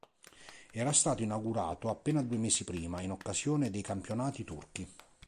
Era stato inaugurato appena due mesi prima in occasione dei campionati turchi.